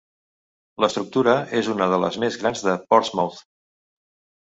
L'estructura és una de les més grans de Portsmouth.